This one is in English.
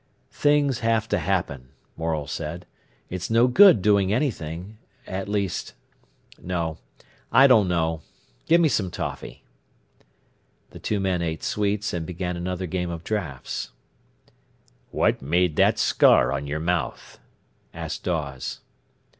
"Things have to happen," Morel said. "It's no good doing anything—at least—no, I don't know. Give me some toffee." The two men ate sweets, and began another game of draughts. "What made that scar on your mouth?" asked Dawes.